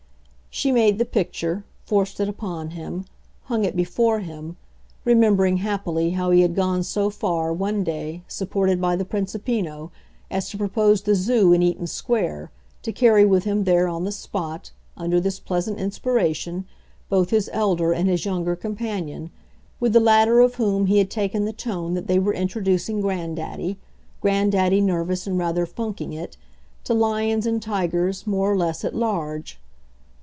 She made the picture, forced it upon him, hung it before him; remembering, happily, how he had gone so far, one day, supported by the Principino, as to propose the Zoo in Eaton Square, to carry with him there, on the spot, under this pleasant inspiration, both his elder and his younger companion, with the latter of whom he had taken the tone that they were introducing Granddaddy, Granddaddy nervous and rather funking it, to lions and tigers more or less at large.